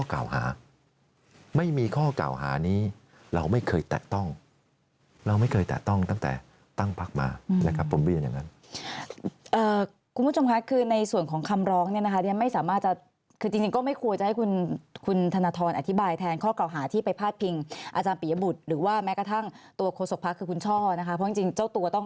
กล่าวหาไม่มีข้อกล่าวหานี้เราไม่เคยแตะต้องเราไม่เคยแตะต้องตั้งแต่ตั้งพักมาอืมนะครับบรรเวียนอย่างนั้นเอ่อคุณผู้ชมคะคือในส่วนของคำร้องเนี่ยนะคะเนี่ยไม่สามารถจะคือจริงจริงก็ไม่ควรจะให้คุณคุณธนทรอนอธิบายแทนข้อกล่าวหาที่ไปพาดพิงอาจารย์ปิยบุตรหรือว่าแม้กระทั่งตัวโ